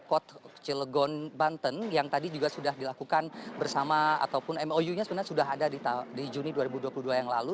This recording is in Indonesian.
pet cilegon banten yang tadi juga sudah dilakukan bersama ataupun mou nya sebenarnya sudah ada di juni dua ribu dua puluh dua yang lalu